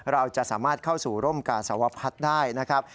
เราจะสามารถเข้าสู่ร่มกาสวพัฒน์ได้นะครับ